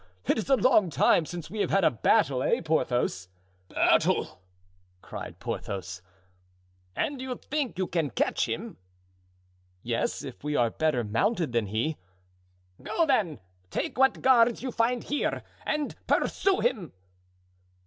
It is a long time since we have had a battle, eh, Porthos?" "Battle!" cried Porthos. "And you think you can catch him?" "Yes, if we are better mounted than he." "Go then, take what guards you find here, and pursue him."